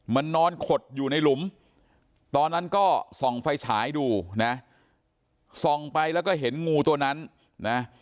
มันนอนขดอยู่ในหลุมตอนนั้นก็ส่องไฟฉายดูนะส่องไปแล้วก็เห็นงูตัวนั้นนะ